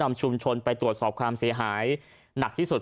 ตำบลเซียงบร้ายเมื่อคื